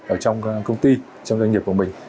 ở trong công ty trong doanh nghiệp của mình